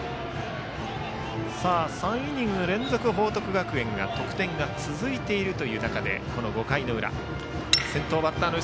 ３イニング連続、報徳学園得点が続いている中でこの５回の裏。